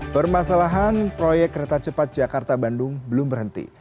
permasalahan proyek kereta cepat jakarta bandung belum berhenti